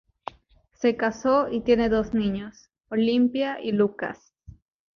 Se casó y tiene dos niños, Olympia y Lucas.